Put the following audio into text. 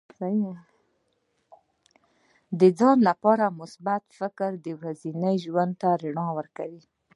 د ځان لپاره مثبت فکرونه ورځني ژوند ته رڼا ورکوي.